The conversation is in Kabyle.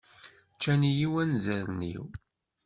Ččan-iyi wanzaren-iw.